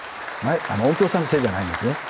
音響さんのせいじゃないんですね。